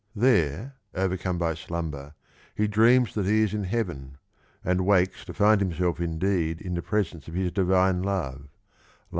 There, overcome by slumber, he dreams that he is in heaven, and wakes to find himself indeed in the presence of his divine love (436).